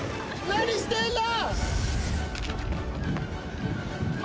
何してんだ？